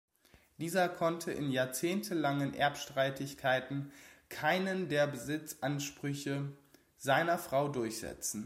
Dieser konnte in jahrzehntelangen Erbstreitigkeiten keinen der Besitzansprüche seiner Frau durchsetzen.